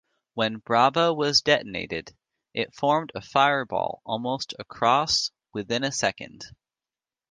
When Bravo was detonated, it formed a fireball almost across within a second.